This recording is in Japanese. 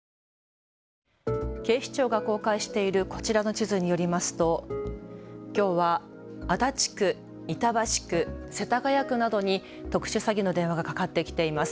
警視庁が公開しているこちらの地図によりますときょうは足立区、板橋区、世田谷区などに特殊詐欺の電話がかかってきています。